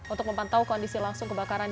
untuk memantau kondisi langsung kebakaran